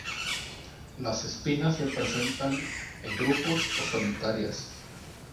Las espinas se presentan en grupos o solitarias.